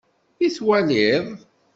I twaliḍ?